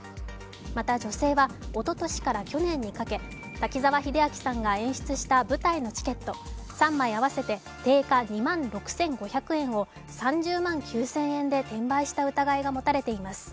また、女性はおととしから去年にかけ、滝沢秀明さんが演出した舞台のチケット３枚合わせて定価２万６５００円を３０万９０００円で転売した疑いが持たれています。